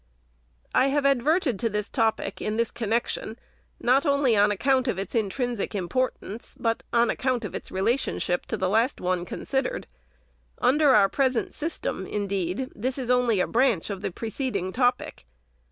I have adverted to this topic in this connection, not only on account of its intrinsic importance, but on ac count of its relationship to the one last considered. Under our present system, indeed, this is only a branch of the preceding topic.